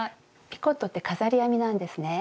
ピコットって飾り編みなんですね。